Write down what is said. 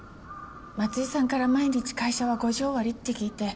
松井さんから毎日会社は５時終わりって聞いて。